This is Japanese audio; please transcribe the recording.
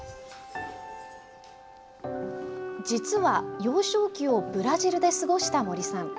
実は幼少期をブラジルで過ごした森さん。